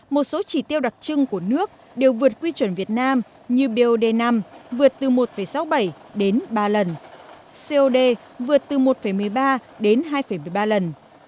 một số chỉ tiêu đặc trưng của nước đều vượt quy chuẩn việt nam như biod năm vượt từ một sáu mươi bảy đến ba lần cod vượt từ một một mươi ba đến hai một mươi ba lần